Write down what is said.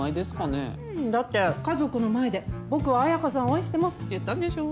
だって家族の前で「僕は綾香さんを愛してます」って言ったんでしょ？